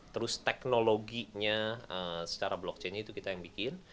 terus teknologinya secara blockchain nya itu kita yang bikin